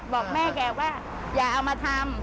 บอกแม่แกว่าอย่าเอามาทำ